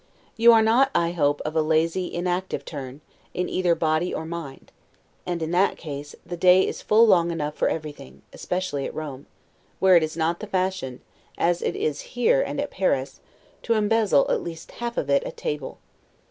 You are not, I hope, of a lazy, inactive turn, in either body or mind; and, in that case, the day is full long enough for everything; especially at Rome, where it is not the fashion, as it is here and at Paris, to embezzle at least half of it at table.